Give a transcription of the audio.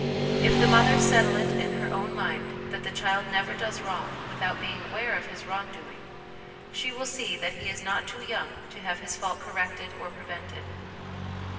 If the mother settle it in her own mind that the child never does wrong without being aware of his wrong doing, she will see that he is not too young to have his fault corrected or prevented.